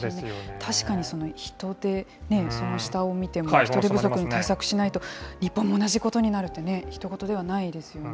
確かに人手、その下を見ても人手不足に対策しないと、日本も同じことになるってね、ひと事ではないですよね。